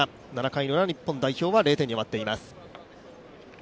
７回のウラ、日本は０点に終わっています。